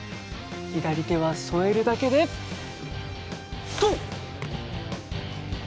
左手は添えるだけでとう！